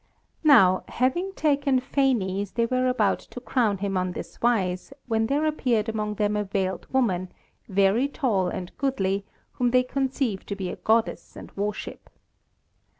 Now, having taken Phanes, they were about to crown him on this wise, when there appeared among them a veiled woman, very tall and goodly, whom they conceive to be a goddess and worship.